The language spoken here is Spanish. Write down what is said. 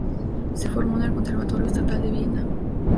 Se formó en el Conservatorio Estatal de Viena.